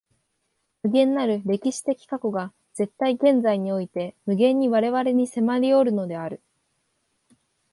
無限なる歴史的過去が絶対現在において無限に我々に迫りおるのである。